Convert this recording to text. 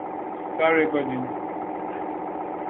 This practice is taken directly from Mussorgsky.